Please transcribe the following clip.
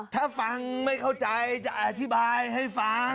ถ้าฟังไม่เข้าใจจะอธิบายให้ฟัง